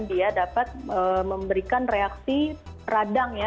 dia dapat memberikan reaksi radang ya